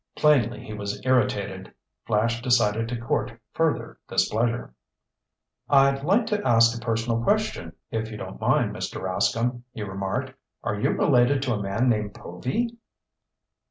Plainly he was irritated. Flash decided to court further displeasure. "I'd like to ask a personal question, if you don't mind, Mr. Rascomb," he remarked. "Are you related to a man named Povy?"